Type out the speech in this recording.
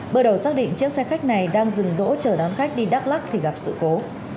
bước đầu xác định chiếc xe khách này đang dừng đỗ chờ đón khách đi đắk lắc thì gặp sự cố